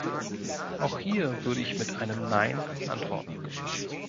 Auch hier würde ich mit einem Nein antworten.